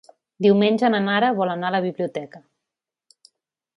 Diumenge na Nara vol anar a la biblioteca.